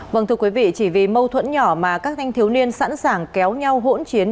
vâng thưa quý vị chỉ vì mâu thuẫn nhỏ mà các thanh thiếu niên sẵn sàng kéo nhau hỗn chiến